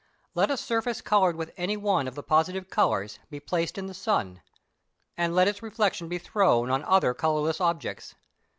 Let a surface coloured with any one of the positive colours be placed in the sun, and let its reflection be thrown on other colourless objects.